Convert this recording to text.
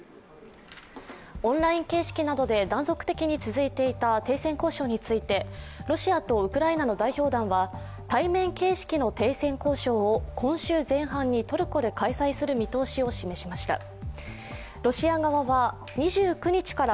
オンライン形式などで断続的に続いていた停戦交渉についてロシアとウクライナの代表団は、対面形式の停戦交渉を今週前半にトルコで開催する見通しを示しました。